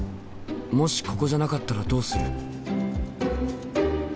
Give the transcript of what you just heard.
もしここじゃなかったらどうする？